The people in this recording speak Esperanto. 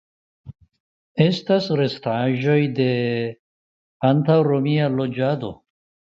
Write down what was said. Estas restaĵoj de antaŭromia loĝado.